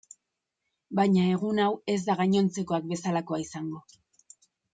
Baina egun hau ez da gainontzekoak bezalakoa izango...